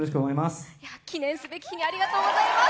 記念すべき日にありがとうございます。